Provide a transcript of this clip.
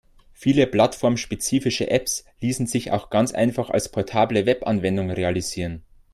Viele plattformspezifische Apps ließen sich auch ganz einfach als portable Webanwendung realisieren.